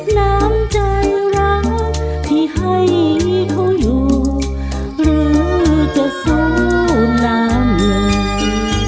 น้ำใจรักที่ให้เขาอยู่หรือจะสู้น้ำเลย